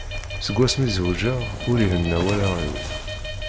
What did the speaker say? Seg wass-mi zewǧeɣ ur ihenna wallaɣ-iw.